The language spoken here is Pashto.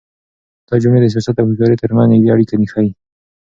دا جملې د سياست او هوښيارۍ تر منځ نږدې اړيکه ښيي.